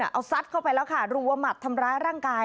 เอาซัดเข้าไปแล้วค่ะรัวหมัดทำร้ายร่างกาย